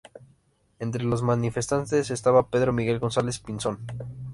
Entre los manifestantes estaba Pedro Miguel González Pinzón.